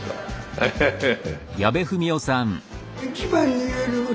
ハハハハ。